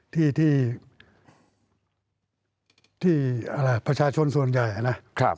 ที่ประชาชนส่วนใหญ่นะ